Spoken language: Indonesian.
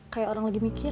kayak orang lagi mikir